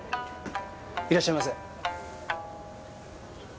いらっしゃいませ。